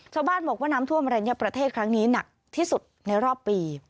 ชาวบ้านบอกว่าน้ำท่วมอรัญญประเทศครั้งนี้หนักที่สุดในรอบปี